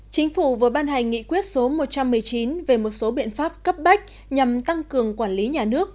chính phủ vừa ban hành nghị quyết số một trăm một mươi chín về một số biện pháp cấp bách nhằm tăng cường quản lý nhà nước